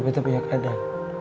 kita punya keadaan